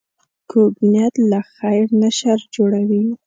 کوږ نیت له خیر نه شر جوړوي